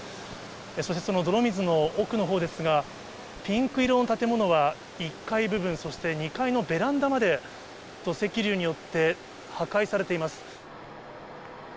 そしてその泥水の奥のほうですが、ピンク色の建物は１階部分、そして、２階のベランダまで土石流によって破壊されています。